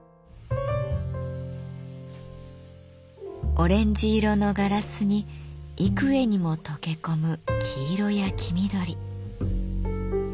オレンジ色のガラスに幾重にも溶け込む黄色や黄緑。